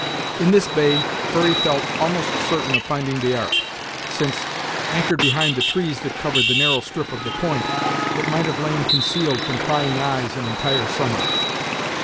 In this bay Hurry felt almost certain of finding the ark, since, anchored behind the trees that covered the narrow strip of the point, it might have lain concealed from prying eyes an entire summer.